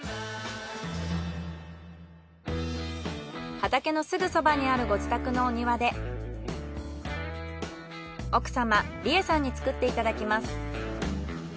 畑のすぐそばにあるご自宅のお庭で奥様里枝さんに作っていただきます。